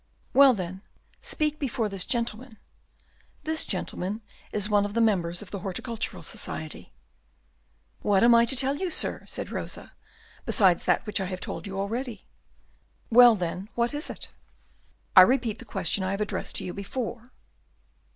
"Well, then, speak before this gentleman; this gentleman is one of the members of the Horticultural Society." "What am I to tell you, sir," said Rosa, "beside that which I have told you already." "Well, then, what is it?" "I repeat the question I have addressed to you before."